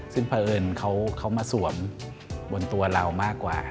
ซึ่งเพราะเอิญเขามาสวมบนตัวเรามากกว่า